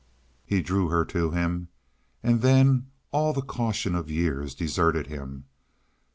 He drew her to him, and then all the caution of years deserted him.